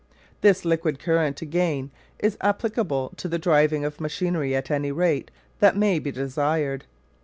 This liquid current, again, is applicable to the driving of machinery at any rate that may be desired.